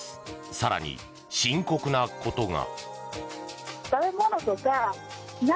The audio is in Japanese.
更に、深刻なことが。